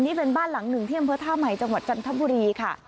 นี่เป็นบ้านหลัง๑เที่ยมเพิร์ตท่าใหม่จังหวัดจันทบุรีค่ะ